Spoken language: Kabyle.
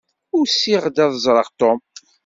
Usiɣ-d ad ẓṛeɣ Tom.